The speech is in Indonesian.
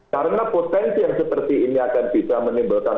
karena potensi yang seperti ini akan bisa menimbulkan